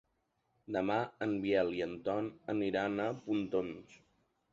Demà en Biel i en Ton aniran a Pontons.